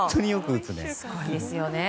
すごいですよね。